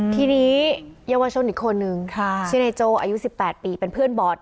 ทีนี้เยาวชนอีกคนนึงชื่นไอ้โจอายุสิบแปดปีเป็นเพื่อนบอส